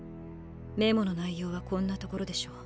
メモの内容はこんなところでしょう。